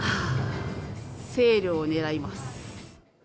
セールを狙います。